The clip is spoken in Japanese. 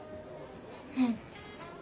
うん。